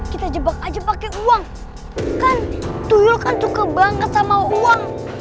kita jebak aja pake uang kan tuyul suka banget sama uang